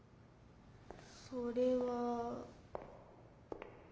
それは。